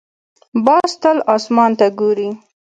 باز تل اسمان ته ګوري